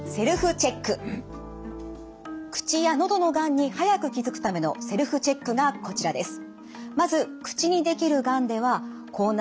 口や喉のがんに早く気付くためのセルフチェックがこちらです。